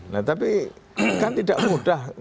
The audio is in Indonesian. nah tapi kan tidak mudah untuk menemukan bukti